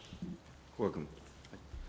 古賀君。